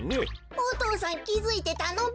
お父さんきづいてたのべ。